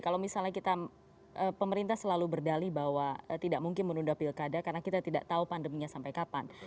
kalau misalnya kita pemerintah selalu berdali bahwa tidak mungkin menunda pilkada karena kita tidak tahu pandeminya sampai kapan